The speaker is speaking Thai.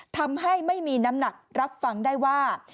ทำให้ไม่มีน้ำหนักรับฟังได้ว่า